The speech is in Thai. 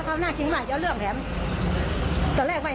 มันไม่จะใจฟังไว้